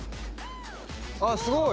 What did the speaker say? あすごい！